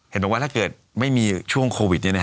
เห็นมันว่าถ้าเกิดไม่มีช่วงโควิดนี้นะครับ